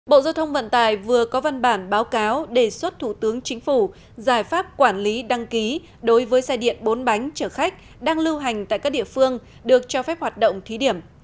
bộ giao thông vận tải vừa có văn bản báo cáo đề xuất thủ tướng chính phủ giải pháp quản lý đăng ký đối với xe điện bốn bánh chở khách đang lưu hành tại các địa phương được cho phép hoạt động thí điểm